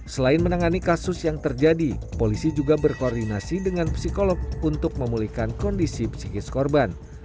selain menangani kasus yang terjadi polisi juga berkoordinasi dengan psikolog untuk memulihkan kondisi psikis korban